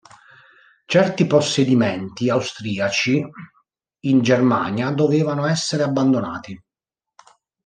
Certi possedimenti austriaci in Germania dovevano essere abbandonati.